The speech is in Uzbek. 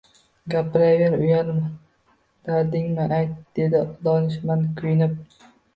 Gapiraver, uyalma, dardingni ayt, dedi donishmand kuyinib